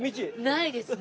ないですね。